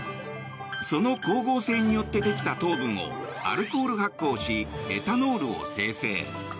その光合成によってできた糖分をアルコール発酵しエタノールを生成。